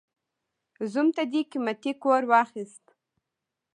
زوم ته دې قيمتي کور واخيست.